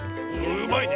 うまいね。